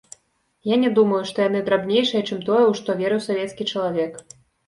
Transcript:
Я не думаю, што яны драбнейшыя, чым тое, у што верыў савецкі чалавек.